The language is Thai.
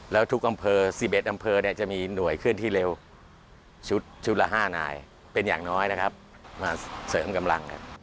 แล้วทุกอำเภอ๑๑อำเภอจะมีหน่วยเคลื่อนที่เร็วชุดละ๕นายเป็นอย่างน้อยนะครับมาเสริมกำลัง